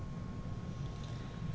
nội đau và mất mát